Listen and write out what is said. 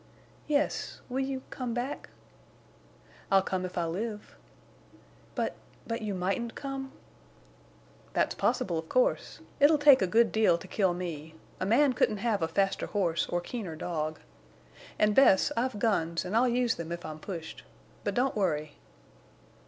"Yes.... Will you—come back?" "I'll come if I live." "But—but you mightn't come?" "That's possible, of course. It'll take a good deal to kill me. A man couldn't have a faster horse or keener dog. And, Bess, I've guns, and I'll use them if I'm pushed. But don't worry."